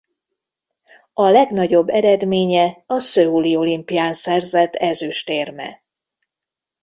A legnagyobb eredménye a Szöuli Olimpián szerzett ezüstérme.